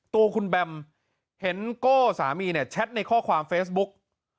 ตัวคุณแบมเห็นโก้สามีเนี่ยแชทในข้อความเฟซบุ๊ก